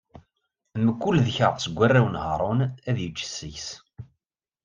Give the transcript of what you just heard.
Mkul ddkeṛ seg warraw n Haṛun ad yečč seg-s.